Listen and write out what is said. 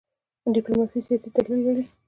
ډيپلومات سیاسي تحلیل لري .